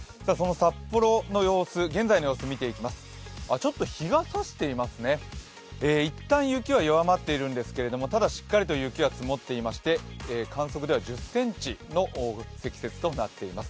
ちょっと日がさしていますね、一旦雪は弱まっているんですけれどもただ、しっかりと雪は積もっていまして観測では１０ｃｍの積雪となっています。